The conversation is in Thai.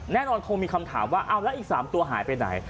แน่นอนคงมีคำถามว่าอ้าวแล้วอีก๓ตัวหายไปไหน